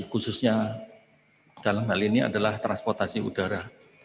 khususnya dalam hal ini adalah transportasi udara